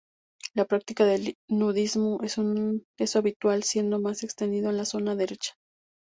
La práctica del nudismo es habitual, siendo más extendido en la zona derecha.